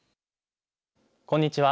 こんにちは。